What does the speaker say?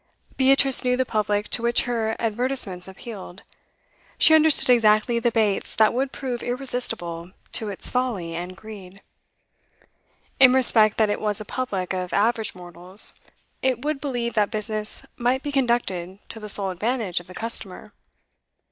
Beatrice knew the public to which her advertisements appealed; she understood exactly the baits that would prove irresistible to its folly and greed. In respect that it was a public of average mortals, it would believe that business might be conducted to the sole advantage of the customer.